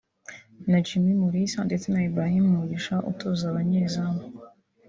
na Jimmy Mulisa ndetse na Ibrahim Mugisha utoza abanyezamu